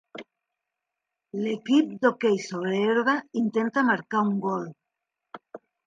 L'equip d'hoquei sobre herba intenta marcar un gol.